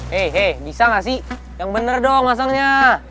hei hei bisa nggak sih yang bener dong asalnya